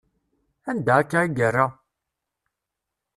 Anda akka i yerra?